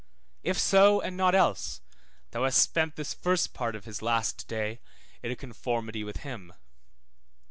If so, and not else, thou hast spent that first part of his last day in a conformity with him.